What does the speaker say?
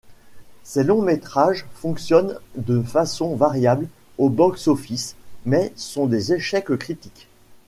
Ces longs-métrages fonctionnent de façon variable au box-office, mais sont des échecs critiques.